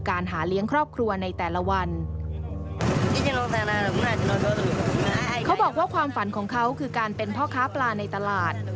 เขาบอกว่าความฝันของเขาคือการเป็นพ่อค้าปลาในตลาด